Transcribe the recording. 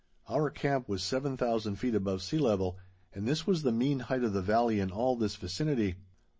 Our camp was 7000 feet above sea level, and this was the mean height of the valley in all this vicinity.